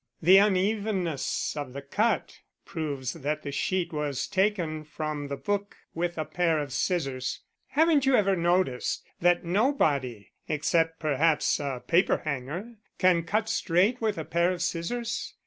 The unevenness of the cut proves that the sheet was taken from the book with a pair of scissors; haven't you ever noticed that nobody except, perhaps, a paperhanger can cut straight with a pair of scissors?